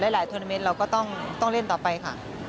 หลายทวนาเมนต์เราก็ต้องเล่นต่อไปค่ะ